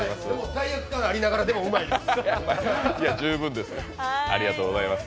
罪悪感ありながら、でも、うまいです。